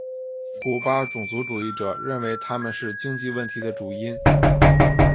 古巴种族主义者认为他们是经济问题的主因。